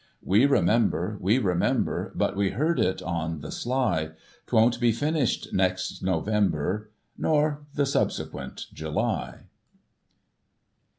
We remember, we remember. But we heard it on the sly, 'Twon't be finished next November, ' Nor the subsequent July."